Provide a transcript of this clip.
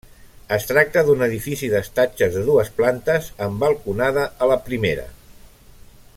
Es tracta d'un edifici d'estatges de dues plantes amb balconada a la primera.